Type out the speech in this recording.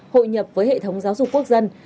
hội nhập với hệ thống giáo dục quốc dân